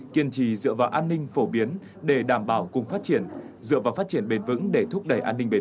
kiên trì dựa vào đảm bảo phát triểncomp đồng dựa vào bền vững phát triển để thúc đẩy khỏe rolleobot